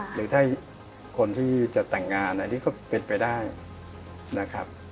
หรือถ้าคนที่จะแต่งงานอันนี้ก็เป็นไปได้นะครับ